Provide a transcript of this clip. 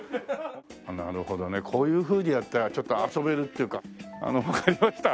なるほどねこういうふうにやったらちょっと遊べるっていうかわかりました。